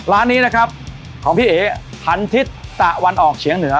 ร้านนี้นะครับของพี่เอ๋พันทิศตะวันออกเฉียงเหนือ